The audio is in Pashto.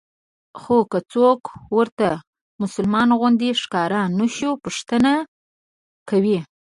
خو که څوک ورته مسلمان غوندې ښکاره نه شو پوښتنې کوي.